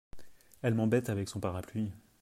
Elle m’embête avec son parapluie !